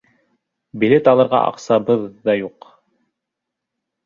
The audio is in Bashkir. Билет алырға аҡсабыҙ ҙа юҡ...